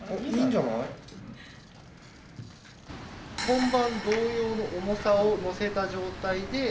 本番同様の重さを載せた状態で。